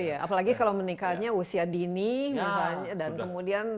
iya apalagi kalau menikahnya usia dini misalnya dan kemudian